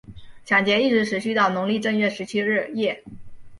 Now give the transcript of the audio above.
抢劫一直持续到农历正月十七日夜。